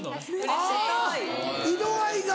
あぁ！色合いが。